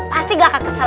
pasti gak akan kesel